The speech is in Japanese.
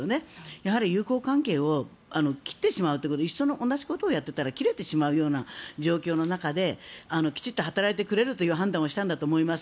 やはり友好関係を切ってしまう同じことをやってしまっていたら切れてしまうような状況の中できちっと働いてくれるという判断をしたんだと思います。